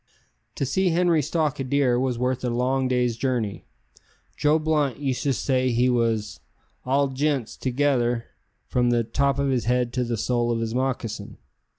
To see Henri stalk a deer was worth a long day's journey. Joe Blunt used to say he was "all jints together, from the top of his head to the sole of his moccasin."